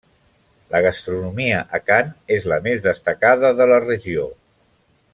La gastronomia àkan és la més destacada de la regió.